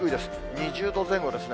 ２０度前後ですね。